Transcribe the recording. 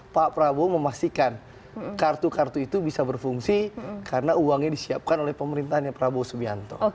pak prabowo memastikan kartu kartu itu bisa berfungsi karena uangnya disiapkan oleh pemerintahnya prabowo subianto